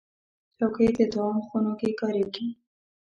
چوکۍ د طعام خونو کې کارېږي.